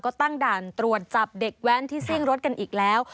ก็ตั้งด่านตรวจจับเด็กแว้นที่ซิ่งรถกันอีกแล้ว